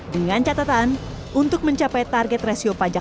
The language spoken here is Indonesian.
dengan catatan untuk mencapai target rasio pajak